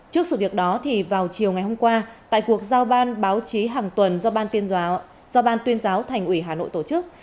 trước sự việc đó vào chiều ngày hôm qua tại cuộc giao ban báo chí hàng tuần do ban tuyên giáo thành ủy hà nội tổ chức